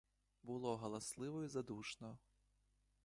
Було галасливо й задушно.